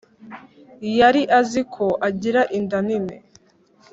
yari azi ko agira inda nini